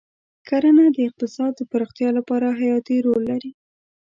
کرنه د اقتصاد د پراختیا لپاره حیاتي رول لري.